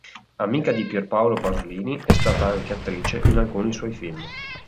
Amica di Pier Paolo Pasolini è stata anche attrice in alcuni suoi film.